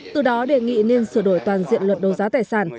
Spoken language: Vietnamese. từ đó đề nghị nên sửa đổi toàn diện luật đấu giá tài sản